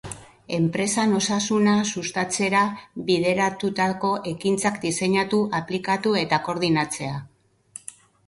Enpresan osasuna sustatzera bideratutako ekintzak diseinatu, aplikatu eta koordinatzea.